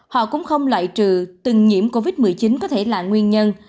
họ cũng không loại trừ từng nhiễm covid một mươi chín có thể là nguyên nhân